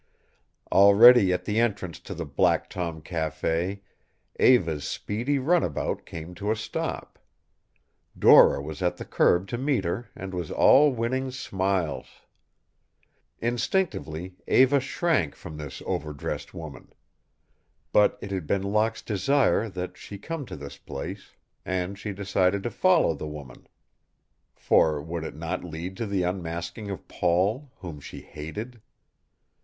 Already at the entrance to the Black Tom Café Eva's speedy runabout came to a stop. Dora was at the curb to meet her and was all winning smiles. Instinctively Eva shrank from this overdressed woman. But it had been Locke's desire that she come to this place, and she decided to follow the woman, for would it not lead to the unmasking of Paul, whom she hated?